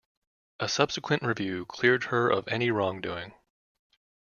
A subsequent review cleared her of any wrongdoing.